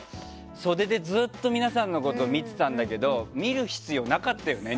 袖でずっと皆さんのこと見てたんだけど見る必要なかったよね